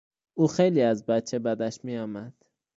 او خیلی از بچه بدش میآمد.